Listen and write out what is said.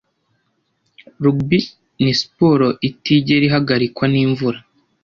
Rugby ni siporo itigera ihagarikwa n'imvura.